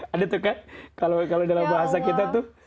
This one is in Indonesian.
ada tuh kan kalau dalam bahasa kita tuh